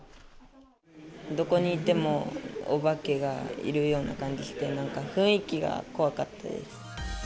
どこにいてもお化けがいるような感じがして、なんか雰囲気が怖かったです。